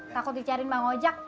takut dicari bang ojak